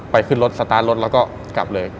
ขึ้นรถสตาร์ทรถแล้วก็กลับเลย